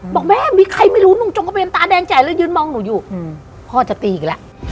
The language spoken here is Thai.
บอกแม่มีใครไม่รู้ลุงจงกระเบนตาแดงใหญ่เลยยืนมองหนูอยู่พ่อจะตีอีกแล้ว